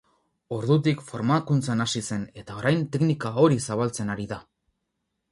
Ordutik, formakuntzan hasi zen, eta orain teknika hori zabaltzen ari da.